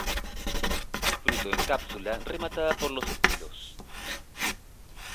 Fruto en cápsula rematada por los estilos.